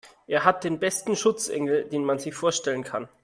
Er hat den besten Schutzengel, den man sich vorstellen kann.